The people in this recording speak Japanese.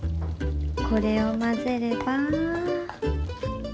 これを交ぜれば。